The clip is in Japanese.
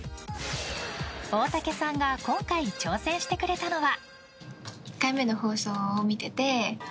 大竹さんが今回挑戦してくれたのは。